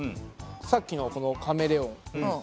さっきのこのカメレオン。